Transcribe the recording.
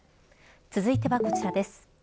続いてはこちらです。